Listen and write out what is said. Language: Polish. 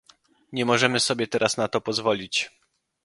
Nie możemy sobie teraz na to pozwolić